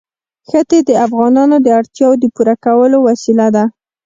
ښتې د افغانانو د اړتیاوو د پوره کولو وسیله ده.